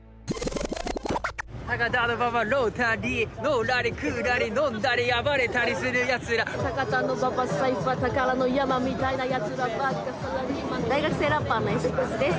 「高田馬場ロータリーのらりくらり飲んだり暴れたりするやつら」「高田馬場サイファー宝の山みたいなやつらばっか」大学生ラッパーのゑ６です。